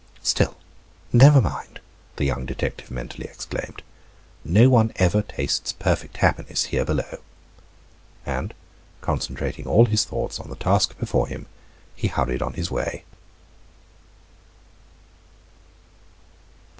"Still, never mind," the young detective mentally exclaimed, "no one ever tastes perfect happiness here below." And concentrating all his thoughts on the task before him, he hurried on his way.